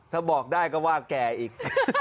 ถ้าบอกได้ก็ว่าแก่อีก